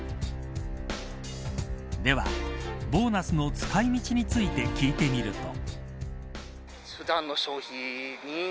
では、ボーナスの使い道について聞いてみると。